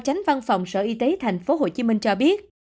tránh văn phòng sở y tế tp hcm cho biết